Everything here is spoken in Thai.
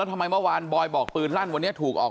ทำไมเมื่อวานบอยบอกปืนลั่นวันนี้ถูกออก